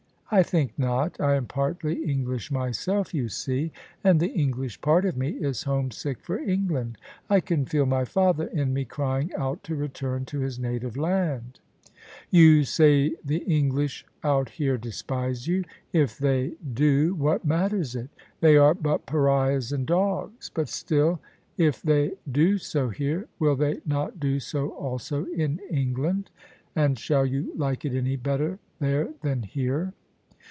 " I think not. I am partly English myself, you see, and the English part of me is homesick for England. I can feel my father in me crying out to return to his native land." " You say the English out here despise you. If they do, THE SUBJECTION what matters it? They are but pariahs and dogs. But still, if they do so here, will they not do so also in England ; and shall you like it any better there than here?